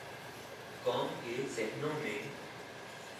قوم کے ذہنوں میں۔